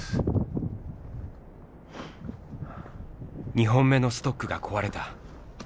２本目のストックが壊れた。